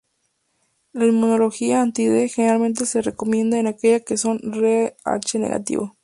La inmunoglobulina anti-D generalmente se recomienda en aquellas que sean Rh negativo.